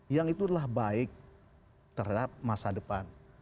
yang itu adalah baik terhadap masa depan